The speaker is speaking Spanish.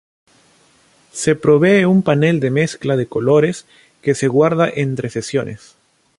Se provee un panel de mezcla de colores que se guarda entre sesiones.